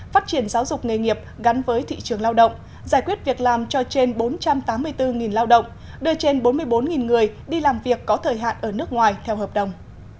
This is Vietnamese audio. phát triển giáo dục nghề nghiệp gắn với thị trường lao động giải quyết việc làm cho trên bốn trăm tám mươi bốn lao động đưa trên bốn mươi bốn người đi làm việc có thời hạn ở nước ngoài theo hợp đồng